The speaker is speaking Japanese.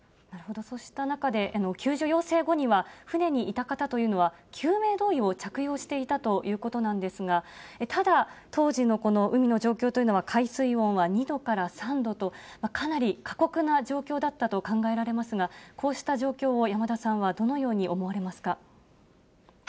そうした中で、救助要請後には、船にいた方というのは、救命胴衣を着用していたということなんですが、ただ、当時のこの海の状況というのは、海水温は２度から３度と、かなり過酷な状況だったと考えられますが、こうした状況を山田さんはどのように思われますか。